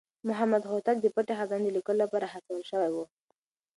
محمد هوتک د پټې خزانې د ليکلو لپاره هڅول شوی و.